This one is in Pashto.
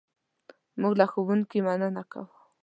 موږ له ښوونکي مننه کوو.